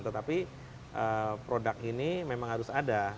tetapi produk ini memang harus ada